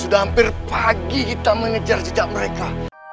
sudah hampir pagi kita mengejar jejak mereka